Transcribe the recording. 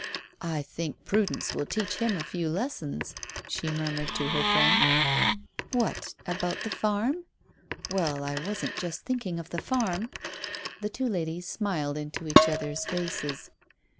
"I think Prudence will teach him a few lessons," she murmured to her friend. "What about the farm?" "Well, I wasn't just thinking of the farm." The two ladies smiled into each other's faces.